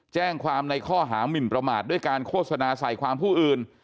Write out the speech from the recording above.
แจ้งความในข้อหามินประมาทด้วยการโฆษณาใส่ความผู้อื่น